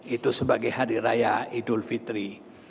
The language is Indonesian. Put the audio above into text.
itu sebagai hari raya idul fitri